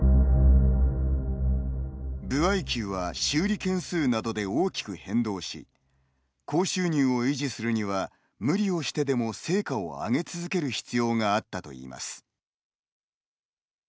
歩合給は修理件数などで大きく変動し高収入を維持するには無理をしてでも成果を上げ続ける必要があったといいます。